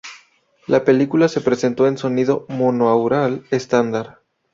La película se presentó en sonido monoaural estándar.